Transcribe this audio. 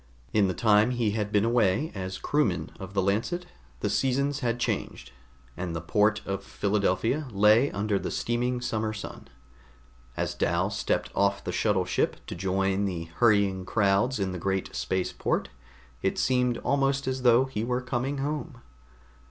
In the time he had been away as a crewman of the Lancet, the seasons had changed, and the port of Philadelphia lay under the steaming summer sun. As Dal stepped off the shuttle ship to join the hurrying crowds in the great space port, it seemed almost as though he were coming home.